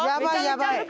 やばいよ！